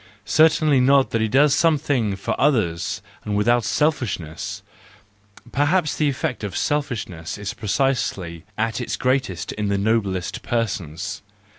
Certainly not that he does something for others and without selfishness; perhaps the effect of selfishness is precisely at its greatest in the noblest persons.